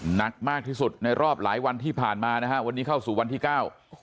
หนักมากที่สุดในรอบหลายวันที่ผ่านมานะฮะวันนี้เข้าสู่วันที่เก้า